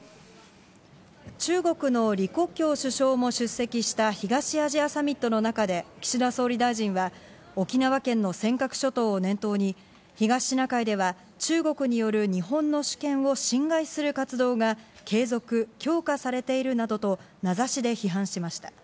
中国の李克強首相も出席した東アジアサミットの中で、岸田総理大臣は、沖縄県の尖閣諸島を念頭に、東シナ海では、中国による日本の主権を侵害する活動が継続・強化されているなどと、名指しで批判しました。